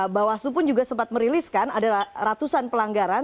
bahwa itu pun juga sempat meriliskan ada ratusan pelanggaran